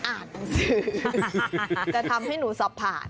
อ่านหนังสือจะทำให้หนูสอบผ่าน